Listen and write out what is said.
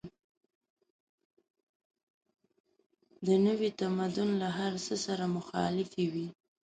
د نوي تمدن له هر څه سره مخالفې وې.